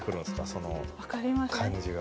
その感じが。